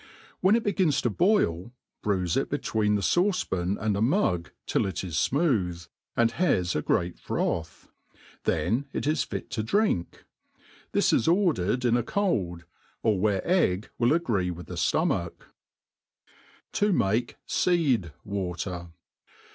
When it begins to boil, bruife it between the fauce pan and a meg till it is fmooth, and has a^ great' froth ; then it is fit to drink. This is ordered m' a cold, or where egg will agree with the ftomacb* To fnake Seed^Water.